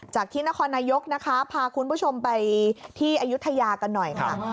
ที่นครนายกนะคะพาคุณผู้ชมไปที่อายุทยากันหน่อยค่ะ